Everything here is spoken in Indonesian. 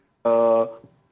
di lapangan di lapangan